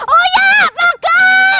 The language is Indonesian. oh ya begor